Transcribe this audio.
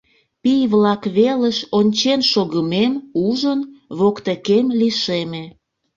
Пий-влак велыш ончен шогымем ужын, воктекем лишеме: